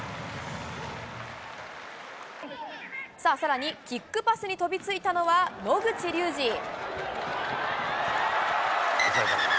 さあ、さらにキックパスに飛びついたのは野口竜司。